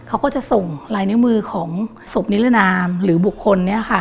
เขาก็จะส่งลายเนื้อมือของสมนิลนามหรือบุคคล